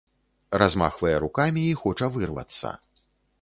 Размахвае рукамі і хоча вырвацца.